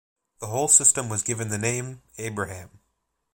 The whole system was given the name Abraham.